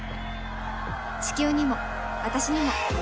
地球にも、私にも。